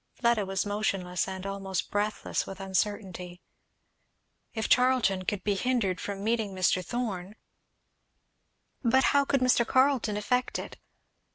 Fleda was motionless and almost breathless with uncertainty. If Charlton could be hindered from meeting Mr. Thorn But how, could Mr. Carleton effect it?